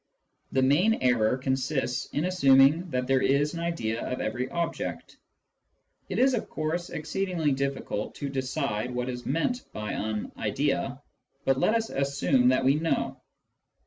The main error consists in assuming that there is an idea of every object. It is, of course, exceedingly difficult to decide what is meant by an " idea "; but let us assume that we know.